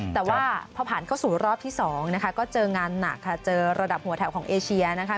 แต่ว่าพอผ่านเข้าสู่รอบที่๒นะคะก็เจองานหนักค่ะเจอระดับหัวแถวของเอเชียนะคะ